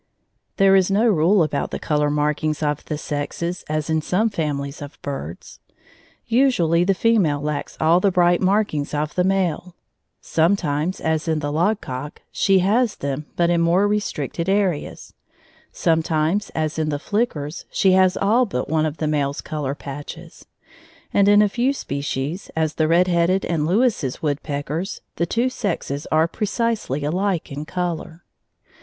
There is no rule about the color markings of the sexes, as in some families of birds. Usually the female lacks all the bright markings of the male; sometimes, as in the logcock, she has them but in more restricted areas; sometimes, as in the flickers, she has all but one of the male's color patches; and in a few species, as the red headed and Lewis's woodpeckers, the two sexes are precisely alike in color.